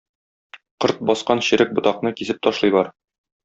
Корт баскан черек ботакны кисеп ташлыйлар.